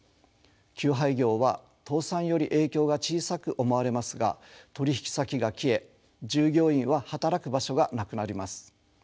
休廃業は倒産より影響が小さく思われますが取引先が消え従業員は働く場所がなくなります。